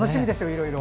いろいろ。